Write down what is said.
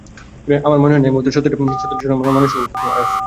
আমার মনে হয় না এই মুহূর্তে সত্যিটা শোনার মত মানসিক অবস্থা তোমার আছে।